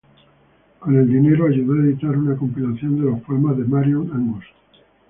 Con el dinero, ayudó a editar una compilación de los poemas de Marion Angus.